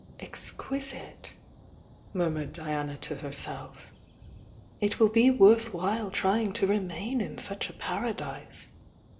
"Exquisite !" murmured Diana to herself. "It will be worth while trying to remain in such a para dise!"